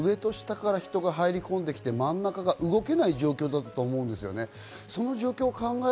上下から上と下から人が入り込んで真ん中が動けない状況だったと思います。